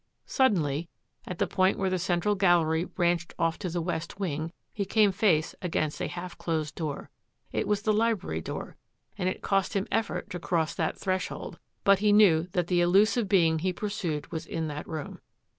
Suddenly, at the point where the central gallery branched off to the west wing, he came face against a half closed door. It was the library door and it cost him effort to cross that threshold, but he knew that the elusive being he pursued was in that room.